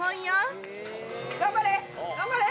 頑張れ！